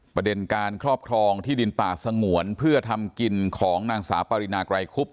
ประเด็นการครอบครองที่ดินป่าสงวนเพื่อทำกินของนางสาวปรินาไกรคุบ